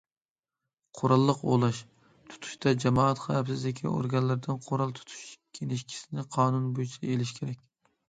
قوراللىق ئوۋلاش، تۇتۇشتا جامائەت خەۋپسىزلىكى ئورگانلىرىدىن قورال تۇتۇش كىنىشكىسىنى قانۇن بويىچە ئېلىش كېرەك.